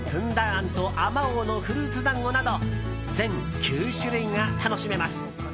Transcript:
餡とあまおうのフルーツ団子など全９種類が楽しめます。